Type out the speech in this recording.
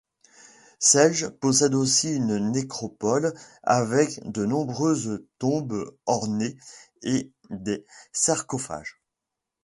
Selge possède aussi une nécropole avec de nombreuses tombes ornées et des sarcophages.